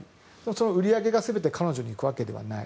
売り上げが全て彼女に行くわけではない。